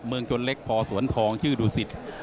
เมืองจนเล็กพอสวนทองชื่อดูสิต